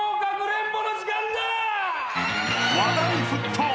［話題沸騰！］